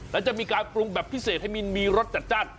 แล้วจะมีการปรุงแบบพิเศษให้มีรสจัด